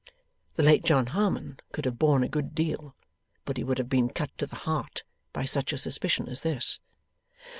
The late John Harmon could have borne a good deal, but he would have been cut to the heart by such a suspicion as this.